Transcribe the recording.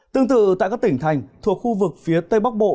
tương tự tại các tỉnh thành thuộc khu vực phía tây bắc bộ